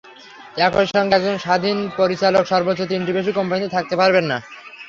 একই সঙ্গে একজন স্বাধীন পরিচালক সর্বোচ্চ তিনটির বেশি কোম্পানিতে থাকতে পারবেন না।